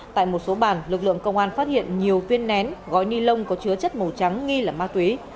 tại một số bàn lực lượng công an phát hiện nhiều viên nén gói ni lông có chứa chất màu trắng nghi là ma túy